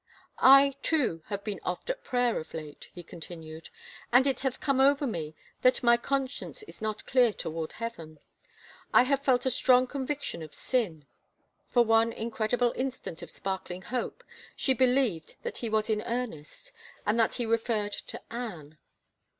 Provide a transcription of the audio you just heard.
I, too, have been oft at prayer of late," he continued, and it hath come over me that my conscience is not clear toward Heaven. I have felt a strong conviction of it sm. For one incredible instant of sparkling hope she be lieved that he was in earnest and that he referred to Anne.